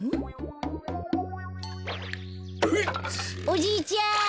おじいちゃん！